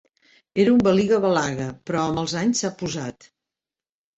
Era un baliga-balaga, però amb els anys s'ha posat.